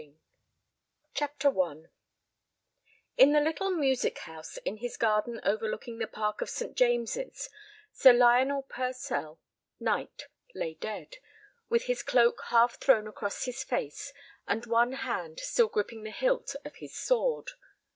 MAD BARBARA I In the little music house in his garden overlooking the Park of St. James's, Sir Lionel Purcell—Knight—lay dead, with his cloak half thrown across his face and one hand still gripping the hilt of his sword.